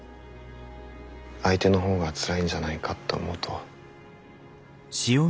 相手の方がつらいんじゃないかって思うと。